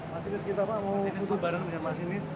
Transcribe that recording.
masinis kita mau ketemu bareng dengan masinis